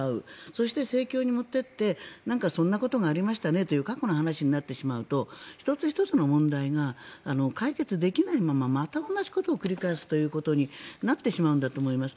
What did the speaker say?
そして、政局に持っていってそんなことがありましたねと過去の話になってしまうと１つ１つの問題が解決できないまままた同じことを繰り返すということになってしまうんだと思います。